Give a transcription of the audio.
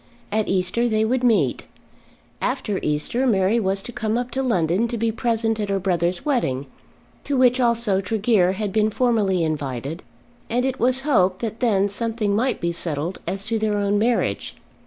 At Easter they would meet. After Easter Mary was to come up to London to be present at her brother's wedding, to which also Tregear had been formally invited; and it was hoped that then something might be settled as to their own marriage.